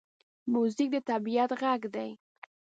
موزیک د طبعیت غږ دی.